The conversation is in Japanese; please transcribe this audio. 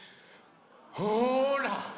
ほら！